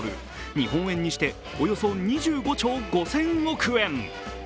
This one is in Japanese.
日本円にしておよそ２５兆５０００億円。